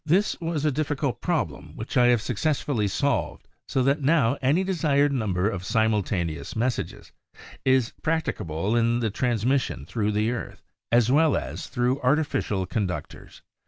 This was a difficult problem which I have suc cessfully solved so that now any desired number of simultaneous messages is prac ticable in the transmission thru the earth as well as thru artificial conductors.